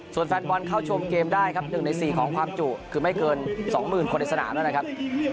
ส่วนแฟนบอลเข้าชมเกมได้ครับ๑ใน๔ของความจุคือไม่เกิน๒๐๐๐คนในสนามแล้วนะครับ